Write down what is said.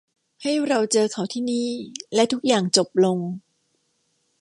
ให้เราเจอเขาที่นี่และให้ทุกอย่างจบลง